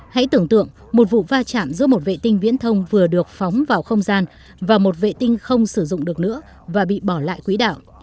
hãy tưởng tượng một vụ va chạm giữa một vệ tinh viễn thông vừa được phóng vào không gian và một vệ tinh không sử dụng được nữa và bị bỏ lại quỹ đạo